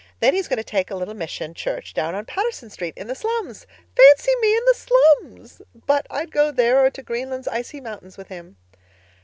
Then he's going to take a little mission church down on Patterson Street in the slums. Fancy me in the slums! But I'd go there or to Greenland's icy mountains with him."